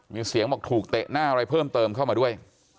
มีเสียงบอกถูกเตะหน้าอะไรเพิ่มเติมเข้ามาด้วย